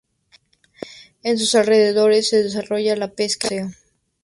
En sus alrededores se desarrolla la pesca y el buceo.